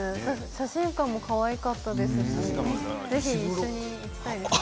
写真館もかわいかったですしぜひ一緒に行きたいですね。